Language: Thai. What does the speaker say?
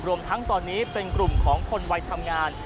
รวมทั้งตอนนี้เป็นกลุ่มของคนวัยทำงาน